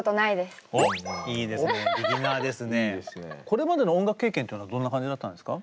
これまでの音楽経験というのはどんな感じだったんですか？